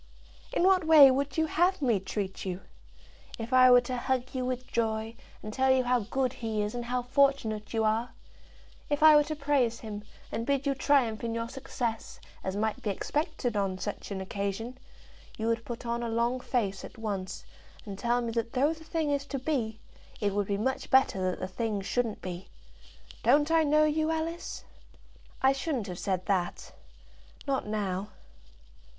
"In what way would you have me treat you? If I were to hug you with joy, and tell you how good he is, and how fortunate you are, if I were to praise him, and bid you triumph in your success, as might be expected on such an occasion, you would put on a long face at once, and tell me that though the thing is to be, it would be much better that the thing shouldn't be. Don't I know you, Alice?" "I shouldn't have said that; not now."